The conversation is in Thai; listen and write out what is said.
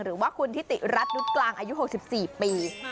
หรือว่าคุณทิติรัฐนุษย์กลางอายุ๖๔ปี